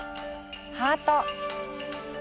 ハート。